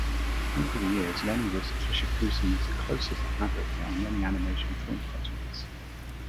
Over the years, Leni was Fischerkoesen's closest collaborator on many animation film projects.